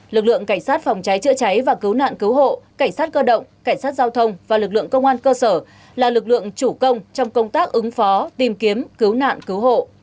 lực lượng cảnh sát phòng cháy chữa cháy và cứu nạn cứu hộ cảnh sát cơ động cảnh sát giao thông và lực lượng công an cơ sở là lực lượng chủ công trong công tác ứng phó tìm kiếm cứu nạn cứu hộ